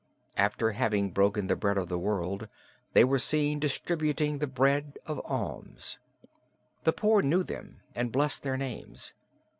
After having broken the bread of the word, they were seen distributing the bread of alms. The poor knew them and blessed their names.